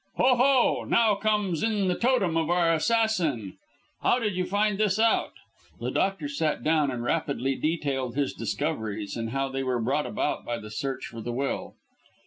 "Ho! ho! Now comes in the 'totem' of our assassin. How did you find this out?" The doctor sat down and rapidly detailed his discoveries, and how they were brought about by the search for the will.